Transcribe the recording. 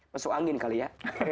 masuk angin kali ya